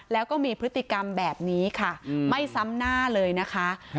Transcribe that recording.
แล้วก็มีพฤติกรรมแบบนี้ค่ะไม่ซ้ำหน้าเลยนะคะ